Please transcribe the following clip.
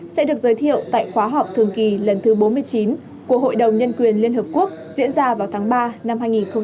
sẽ được giới thiệu tại khóa họp thường kỳ lần thứ bốn mươi chín của hội đồng nhân quyền liên hợp quốc diễn ra vào tháng ba năm hai nghìn hai mươi